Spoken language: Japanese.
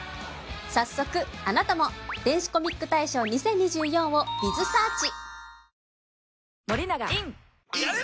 早速あなたも「電子コミック大賞２０２４」をｂｉｚｓｅａｒｃｈ。